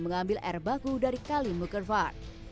mengambil air baku dari kalimur kervat